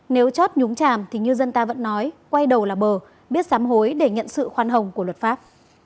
nếu chót nhúng chàm thì ngư dân ta vẫn nói quay đầu là bờ biết xám hối để nhận sự khoan hồng của luật pháp